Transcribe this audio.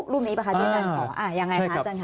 รูปนี้ป่ะคะที่นั่นอย่างไรคะอาจารย์คะ